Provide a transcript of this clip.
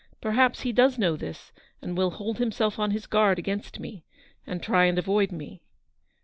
Perhaps he does know this and will hold himself on his guard against me, and try and avoid me."